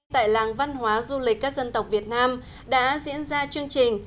tại làng văn hóa du lịch các dân tộc việt nam đã diễn ra chương trình